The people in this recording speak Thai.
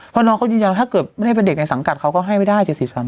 เพราะน้องเขายืนยันถ้าเกิดไม่ได้เป็นเด็กในสังกัดเขาก็ให้ไม่ได้๗๔๓